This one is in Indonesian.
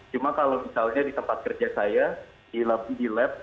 cuma kalau misalnya di tempat kerja saya di lab